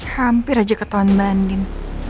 hampir aja ketonbandin